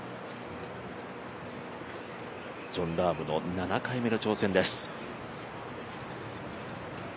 ジョン・ラームの７回目の挑戦です。